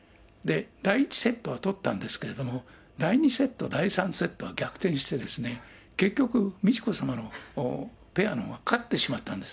第１セットは取ったんですけれども、第２セット、第３セットは逆転してですね、結局、美智子さまのペアのほうが勝ってしまったんです。